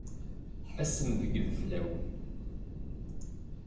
Ass-n deg yideflawen.